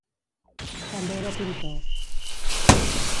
També era pintor.